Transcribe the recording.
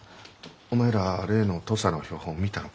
お前らは例の土佐の標本見たのか？